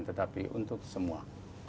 tetapi untuk semua